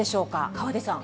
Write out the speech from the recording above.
河出さん。